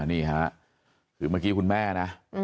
นี่ค่ะคือเมื่อกี้คุณแม่นะ